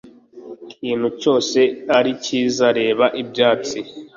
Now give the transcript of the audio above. kintu cyose ari cyiza! reba ibyatsi